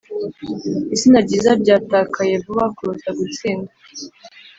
izina ryiza ryatakaye vuba kuruta gutsinda.